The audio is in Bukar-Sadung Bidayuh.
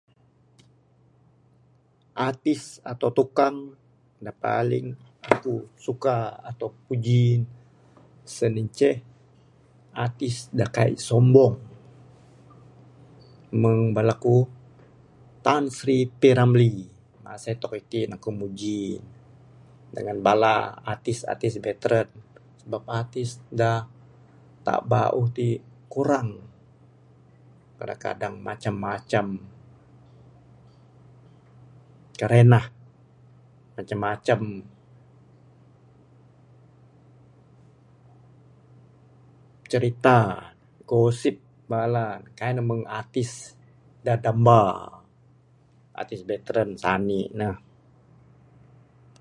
Artis atau tukang dak paling aku suka atau puji sien inceh artis dak kai sombong meng bala ku Tan Sri P.Ramlee sien tok itin aku muji dangan bala artis-artis veteran sebab artis dak taap bauh ti kurang, kadang-kadang macam-macam karenah, macam-macam cerita, gosip bala, kai meng artis dak damba artis veteran sanik ne